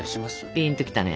ピンと来たね。